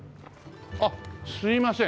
あっすみません。